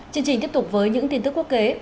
chương trình tiếp tục với những tin tức quốc tế